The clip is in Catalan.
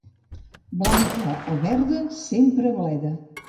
Blanca o verda, sempre bleda.